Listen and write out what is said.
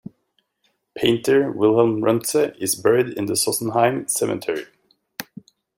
Painter Wilhelm Runze is buried in the Sossenheim Cemetery.